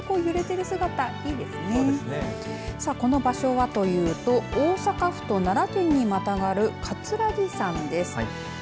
この場所はというと大阪府と奈良県にまたがる葛城山です。